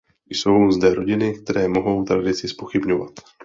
Jsou zde rodiny, které mohou tradici zpochybňovat.